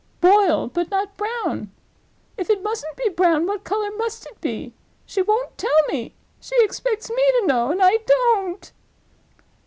'Boil, but not brown.'—If it mustn't be brown, what color must it be? She won't tell me; she expects me to know, and I don't.